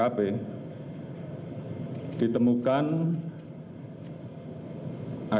dan aku punya bintang yang sangat tinggi